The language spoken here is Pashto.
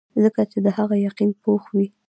ځکه چې د هغه يقين پوخ وي -